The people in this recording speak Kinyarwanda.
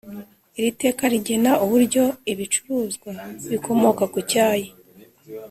Iri teka rigena uburyo ibicuruzwa bikomoka ku cyayi